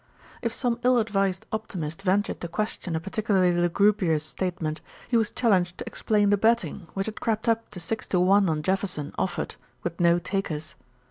If some ill advised optimist ventured to question a particularly lugubrious statement, he was challenged to explain the betting, which had crept up to six to one on Jefferson offered, with no takers.